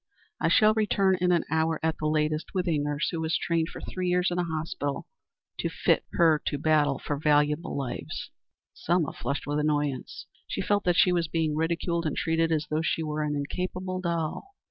I shall return in an hour at the latest with a nurse who was trained for three years in a hospital to fit her to battle for valuable lives." Selma flushed with annoyance. She felt that she was being ridiculed and treated as though she were an incapable doll.